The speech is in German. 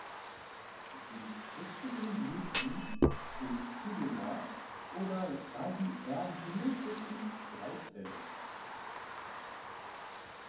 Die zwittrigen Blüten sind zygomorph oder radiärsymmetrisch und dreizählig.